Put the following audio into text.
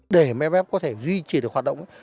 để mff có thể duy trì được hoạt động